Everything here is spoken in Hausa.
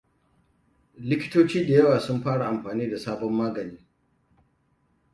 Likitoci da yawa sun fara amfani da sabon magani.